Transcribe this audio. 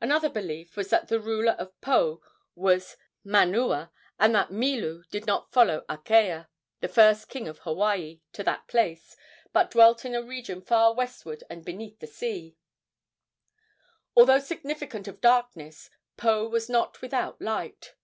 Another belief was that the ruler of Po was Manua, and that Milu did not follow Akea, the first king of Hawaii, to that place, but dwelt in a region far westward and beneath the sea. Although significant of darkness, Po was not without light.